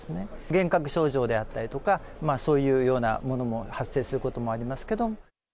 幻覚症状であったりとか、そういうようなものも発生することもありますけど。